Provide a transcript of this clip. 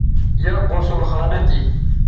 یک غسل خانہ تھی